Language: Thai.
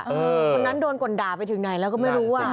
คนนั้นโดนก่นด่าไปถึงไหนแล้วก็ไม่รู้อ่ะ